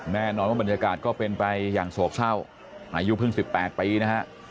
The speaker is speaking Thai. แน่นอนว่าบรรยากาศก็เป็นไปอย่างโศกเศร้าอายุเพิ่ง๑๘ปีนะฮะ